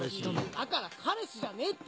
だから彼氏じゃねえって！